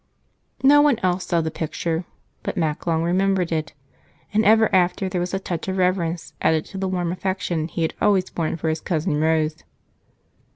No one else saw the picture, but Mac long remembered it, and ever after there was a touch of reverence added to the warm affection he had always borne his cousin Rose.